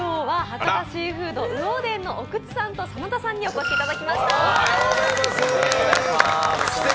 今日は博多シーフードうお田から奥津さんと眞田さんにお越しいただきました。